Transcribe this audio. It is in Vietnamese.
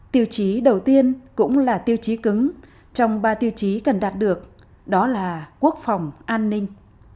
tiêu chí đầu tiên cũng là tiêu chí cứng trong ba tiêu chí cần đạt được đó là quốc phòng an ninh